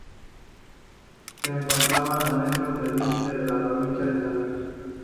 Se encontraba a metros del límite con la provincia de San Luis.